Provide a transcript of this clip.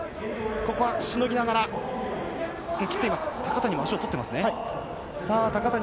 ここはしのぎながら高谷も足を取っていますね。